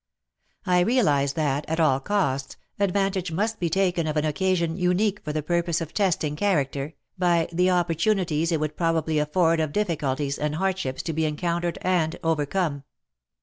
I realized that, at all costs, advantage must be taken of an occasion unique for the purpose of testing character, by the opportunities it would probably afford of difficulties and hardships to be en countered and overcome.